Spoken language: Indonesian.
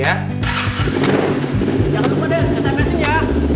jangan sampai sini ya